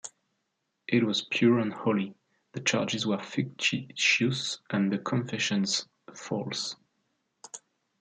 It was pure and holy; the charges were fictitious and the confessions false.